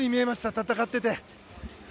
戦ってて。